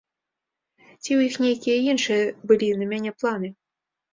Ці ў іх нейкія іншыя былі на мяне планы.